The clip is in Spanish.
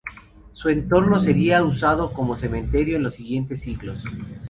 Su entorno sería usado como cementerio en los siguientes siglos.